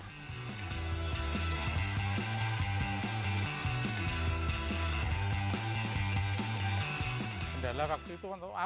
bidara dari mengeluarkan online